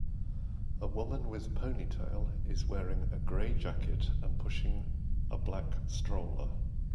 A woman with ponytail is wearing a gray jacket and pushing a black stroller.